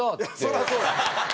そりゃそう。